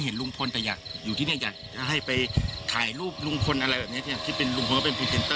เห็นลุงพลแต่อยากอยู่ที่เนี้ยอยากให้ไปถ่ายรูปลุงคนอะไรแบบนี้เนี้ยคิดเป็นลุงพลก็เป็น